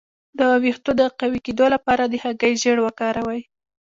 د ویښتو د قوي کیدو لپاره د هګۍ ژیړ وکاروئ